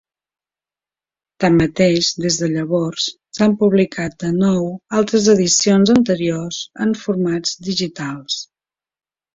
Tanmateix, des de llavors, s'han publicat de nou altres edicions anteriors en formats digitals.